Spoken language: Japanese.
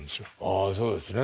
あそうですね。